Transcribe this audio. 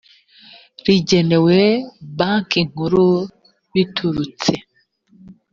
rigenewe banki nkuru biturutse